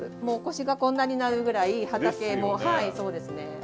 もう腰がこんなになるぐらい畑も。ですよね。